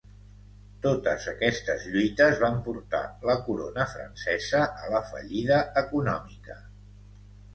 Totes aquestes lluites van portar la Corona francesa a la fallida econòmica.